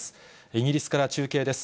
イギリスから中継です。